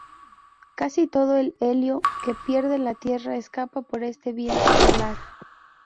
Casi todo el helio que pierde la Tierra escapa por este viento polar.